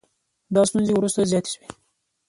دا ستونزې وروسته زیاتې شوې